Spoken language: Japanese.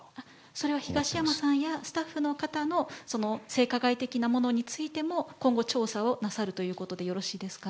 それは東山さんやスタッフの方の性加害的なものについても、今後、調査をなさるということでよろしいですか。